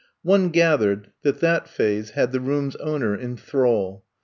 One gathered that that phase had the room's owner in thrall.